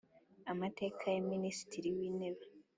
Amateka ya minisitiri w intebe